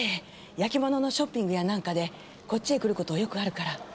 焼き物のショッピングやなんかでこっちへ来る事よくあるから。